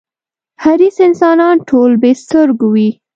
حریص انسانان ټول بې سترگو وي.